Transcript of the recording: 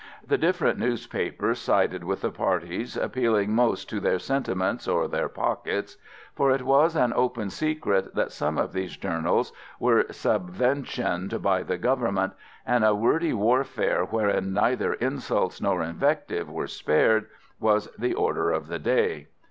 The different newspapers sided with the parties appealing most to their sentiments or their pockets; for it was an open secret that some of these journals were subventioned by the Government, and a wordy warfare wherein neither insults nor invective were spared, was the order of the day.